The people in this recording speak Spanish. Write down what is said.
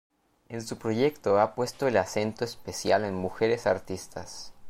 En su proyecto ha puesto el acento especial en mujeres artistas.